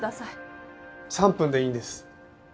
３分でいいんです。